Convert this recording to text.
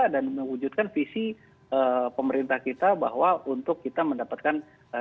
dan mewujudkan visi pemerintah kita bahwa untuk kita mendapatkan devisa